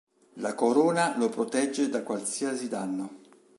La corona lo protegge da qualsiasi danno.